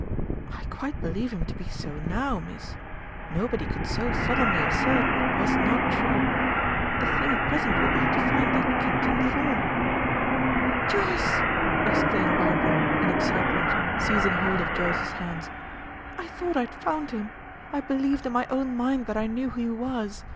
"I quite believe him to be so now, miss. Nobody could so solemnly assert what was not true. The thing at present will be to find that Captain Thorn." "Joyce!" exclaimed Barbara, in excitement, seizing hold of Joyce's hands, "I thought I had found him; I believed in my own mind that I knew who he was.